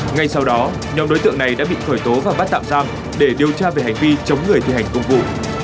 ngay sau đó nhóm đối tượng này đã bị khởi tố và bắt tạm giam để điều tra về hành vi chống người thi hành công vụ